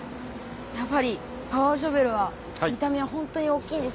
やっぱりパワーショベルは見た目は本当に大きいんですね。